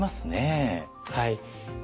はい。